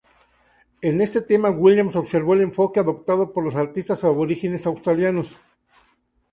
En este tema, Williams observó el enfoque adoptado por los artistas aborígenes australianos.